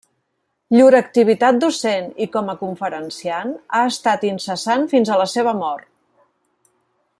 Llur activitat docent i com a conferenciant ha estat incessant fins a la seva mort.